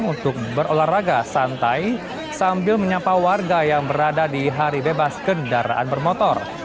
untuk berolahraga santai sambil menyapa warga yang berada di hari bebas kendaraan bermotor